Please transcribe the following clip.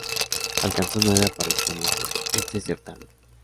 Alcanzó nueve apariciones en este certamen.